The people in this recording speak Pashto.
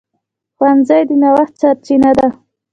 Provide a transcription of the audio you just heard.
ښوونځی د نوښت سرچینه ده